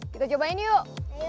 kita cobain yuk